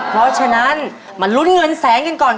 เพราะฉะนั้นมาลุ้นเงินแสนกันก่อน